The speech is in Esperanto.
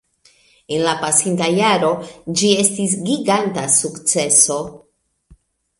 En la pasinta jaro, ĝi estis giganta sukceso